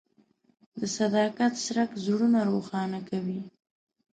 د صداقت څرک زړونه روښانه کوي.